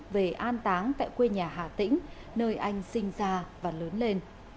về an táng tại quê nhà hà tĩnh nơi anh sinh ra và lớn lên